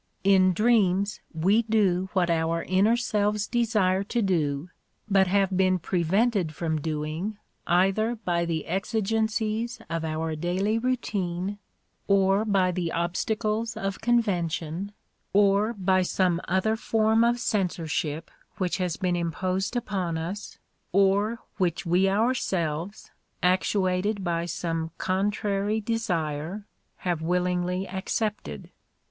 In dreams we do what our inner selves desire to do but have been prevented from doing either by the exigencies of our daily routine, or by the obstacles of convention, or by some other form of censorship Those Extraordinary Twins 187 which has been imposed upon us, or which we our selves, actuated by some contrary desire, have will ingly accepted.